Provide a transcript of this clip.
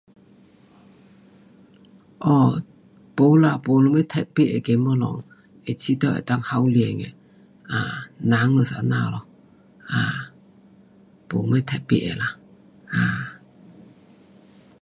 um 没了，没什么特别那个东西。um 会觉得可以豪恋的。um 人就是这样咯，um 没什么特别的啦。um